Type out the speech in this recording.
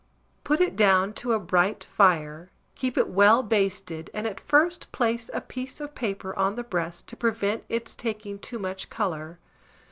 Put it down to a bright fire, keep it well basted, and at first place a piece of paper on the breast to prevent its taking too much colour.